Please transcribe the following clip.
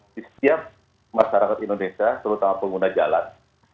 di setiap masyarakat indonesia terutama pengguna jalan